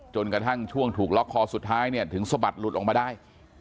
จนกระทั่งช่วงถูกล็อกคอสุดท้ายเนี่ยถึงสะบัดหลุดออกมาได้